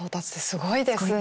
すごいですよね。